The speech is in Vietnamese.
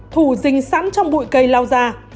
thủ dình sẵn trong bụi cây lao ra